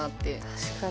確かに。